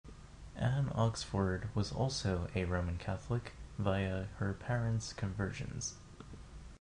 Anne Oxford was also a Roman Catholic via her parents' conversions.